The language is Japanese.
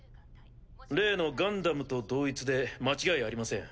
例のガンダムと同一で間違いありません。